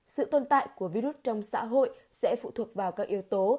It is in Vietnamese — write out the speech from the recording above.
sự tồn tại của vi rút trong xã hội sẽ phụ thuộc vào các yếu tố